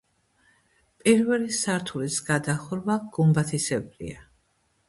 პირველი სართულის გადახურვა გუმბათისებრია.